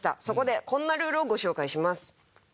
そこでこんなルールをご紹介します。